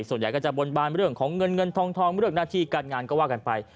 ส่วนใหญ่ก็จะบนบานเรื่องของเงินเงินทองเรื่องหน้าที่การงานก็ว่ากันไป